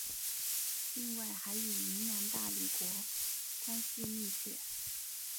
另外还与云南大理国关系密切。